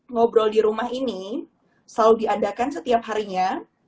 ngobrol di rumah ini selalu diadakan setiap harinya